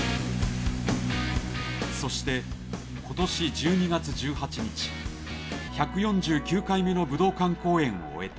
そして今年１２月１８日１４９回目の武道館公演を終えた。